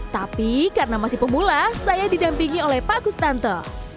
tapi karena masih pemula saya didampingi oleh pak kustanto